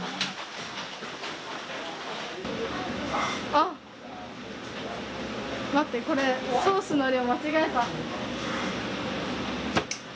あっ待ってこれソースの量間違えた。